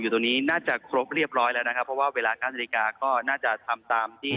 ตรงนี้น่าจะครบเรียบร้อยแล้วนะครับเพราะว่าเวลาเก้านาฬิกาก็น่าจะทำตามที่